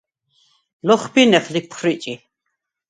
ლოხბინეხ ლიფხრიჭი.